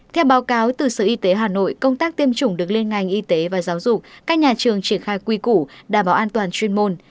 theo báo cáo từ sở y tế hà nội công tác tiêm chủng được liên ngành y tế và giáo dục các nhà trường triển khai quy củ đảm bảo an toàn chuyên môn